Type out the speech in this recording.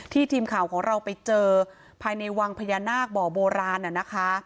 ทีมข่าวของเราไปเจอภายในวังพญานาคบ่อโบราณน่ะนะคะ